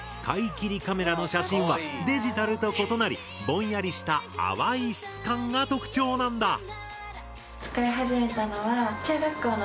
使い切りカメラの写真はデジタルと異なりぼんやりした淡い質感が特徴なんだ！